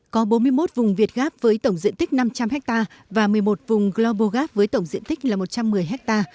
có bốn mươi một vùng việt gap với tổng diện tích năm trăm linh ha và một mươi một vùng global gap với tổng diện tích là một trăm một mươi ha